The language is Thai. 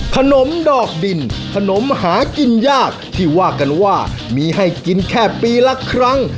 ขนมดอกดินขนมหากินยากที่ว่ากันว่ามีให้กินแค่ปีละครั้ง